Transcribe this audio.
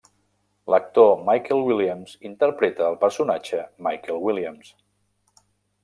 L'actor Michael Williams interpreta el personatge Michael Williams.